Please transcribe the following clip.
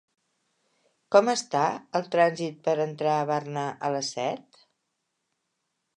Com està el trànsit per entrar a Barna a les set?